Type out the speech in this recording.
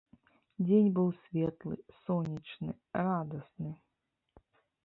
Дзень быў светлы, сонечны, радасны.